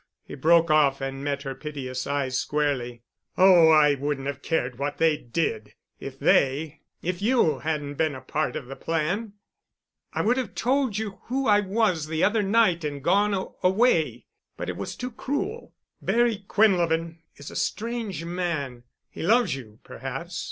He broke off and met her piteous eyes squarely. "Oh, I wouldn't have cared what they did, if they—if you hadn't been a part of the plan. I would have told you who I was the other night and gone—away.... But it was too cruel. Barry Quinlevin is a strange man. He loves you—perhaps.